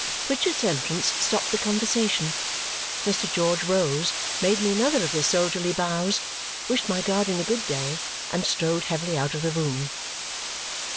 Richard's entrance stopped the conversation. Mr. George rose, made me another of his soldierly bows, wished my guardian a good day, and strode heavily out of the room.